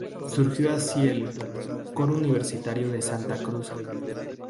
Surgió así el "Coro Universitario de Santa Cruz".